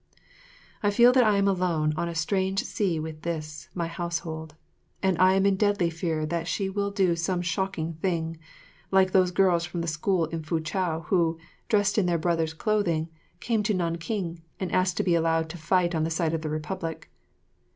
I feel that I am alone on a strange sea with this, my household; and I am in deadly fear that she will do some shocking thing, like those girls from the school in Foochow who, dressed in their brothers' clothing, came to Nanking and asked to be allowed to fight on the side of the Republic.